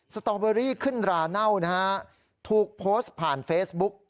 สตอเบอรี่ขึ้นราเน่านะฮะถูกโพสต์ผ่านเฟซบุ๊ก